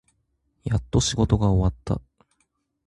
やっと仕事が終わった。